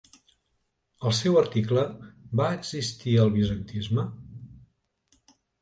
Al seu article, Va existir el bizantinisme?